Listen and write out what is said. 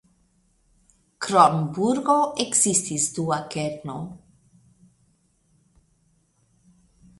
Krom burgo ekzistis dua kerno.